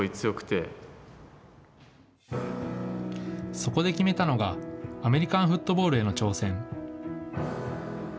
そこで決めたのが、アメリカンフットボールへの挑戦。